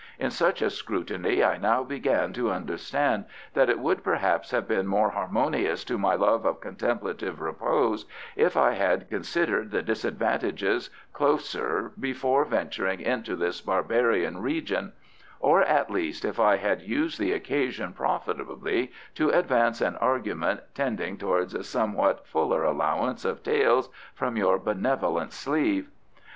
In such a scrutiny I now began to understand that it would perhaps have been more harmonious to my love of contemplative repose if I had considered the disadvantages closer before venturing into this barbarian region, or, at least, if I had used the occasion profitably to advance an argument tending towards a somewhat fuller allowance of taels from your benevolent sleeve.